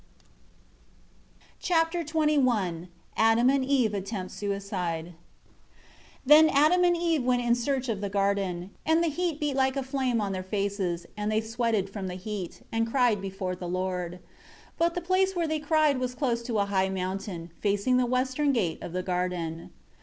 Chapter XXI Adam and Eve attempt suicide. 1 Then Adam and Eve went in search of the garden. 2 And the heat beat like a flame on their faces; and they sweated from the heat, and cried before the Lord. 3 But the place where they cried was close to a high mountain, facing the western gate of the garden.